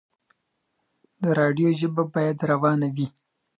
د راډيو ژبه بايد روانه وي.